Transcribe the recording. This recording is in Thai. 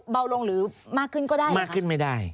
เบาลงหรือมากขึ้นก็ได้มากขึ้นไม่ได้